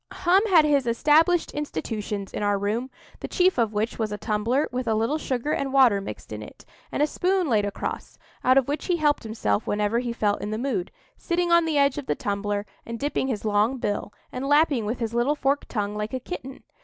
Hum had his established institutions in our room, the chief of which was a tumbler with a little sugar and water mixed in it, and a spoon laid across, out of which he helped himself whenever he felt in the mood—sitting on the edge of the tumbler, and dipping his long bill, and lapping with his little forked tongue like a kitten.